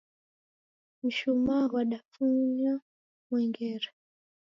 Mshumaa ghwadafunya mwengere.